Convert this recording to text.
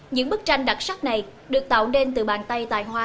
những bức tranh đặc sắc này được tạo nên từ bàn tay tài hoa